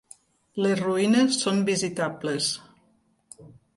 Les ruïnes són visitables.